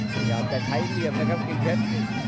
พยายามจะใช้เตรียมนะครับกิ๊กเฮ็ด